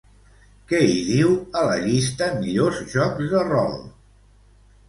Què hi diu a la llista millors jocs de rol?